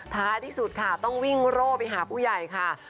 ท้ายที่สุดค่ะต้องวิ่งโร่ไปหาผู้ใหญ่ค่ะ